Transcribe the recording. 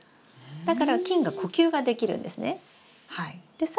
だから菌が呼吸ができるんですね。